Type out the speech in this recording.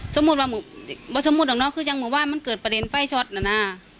สมมุติว่าคือจังห์มือว่านมันเกิดประเด็นไฟช็อตนะฮะ